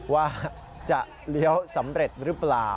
ว่าจะเลี้ยวสำเร็จหรือเปล่า